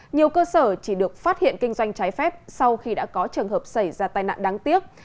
nhiều cơ sở chỉ được phát hiện kinh doanh trái phép sau khi đã có trường hợp xảy ra tai nạn đáng tiếc